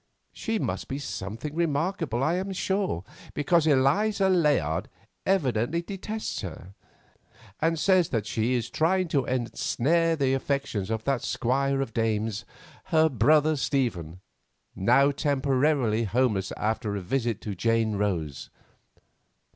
She must be something remarkable, I am sure, because Eliza Layard evidently detests her, and says that she is trying to ensnare the affections of that squire of dames, her brother Stephen, now temporarily homeless after a visit to Jane Rose.